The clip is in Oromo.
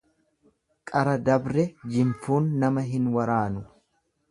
Qara dabre jinfuun nama hin waraanu.